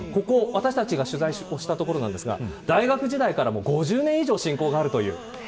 ここ、私たちが取材をした所なんですが大学時代から５０年以上親交があるという。